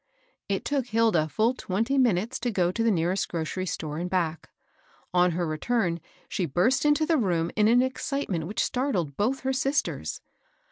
'* It took Hilda full twenty minutes to go to the nearest grocery store and back. On her return, she burst into the room in an excitement which startled both her sisters.